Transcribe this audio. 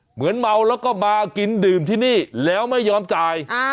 เหมือนเมาแล้วก็มากินดื่มที่นี่แล้วไม่ยอมจ่าย